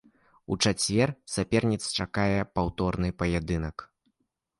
У чацвер саперніц чакае паўторны паядынак.